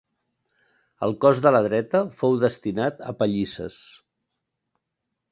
El cos de la dreta fou destinat a pallisses.